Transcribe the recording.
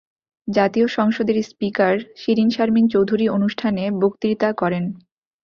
জাতীয় সংসদের স্পিকার শিরীন শারমিন চৌধুরী অনুষ্ঠানে বক্তৃতা করেন।